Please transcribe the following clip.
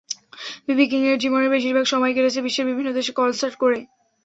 বিবি কিংয়ের জীবনের বেশির ভাগ সময়ই কেটেছে বিশ্বের বিভিন্ন দেশে কনসার্ট করে।